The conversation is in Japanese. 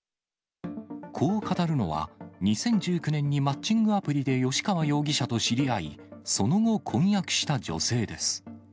こう語るのは、２０１９年にマッチングアプリで吉川容疑者と知り合い、その後、婚約した女性です。